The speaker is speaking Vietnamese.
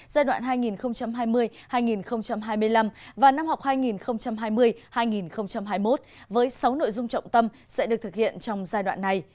giai đoạn hai nghìn hai mươi hai nghìn hai mươi năm và năm học hai nghìn hai mươi hai nghìn hai mươi một với sáu nội dung trọng tâm sẽ được thực hiện trong giai đoạn này